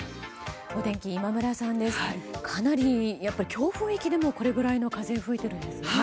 強風域でもこれくらいの風が吹いているんですね。